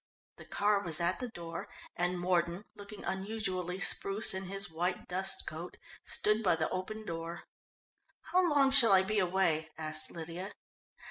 The car was at the door, and Mordon, looking unusually spruce in his white dust coat, stood by the open door. "How long shall I be away?" asked Lydia.